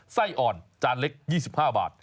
ไส้อ่อนจานเล็ก๒๕บาท